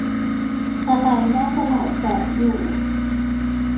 สไลด์น่าจะหลายแสนอยู่